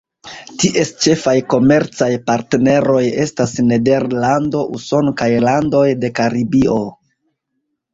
Ties ĉefaj komercaj partneroj estas Nederlando, Usono kaj landoj de Karibio.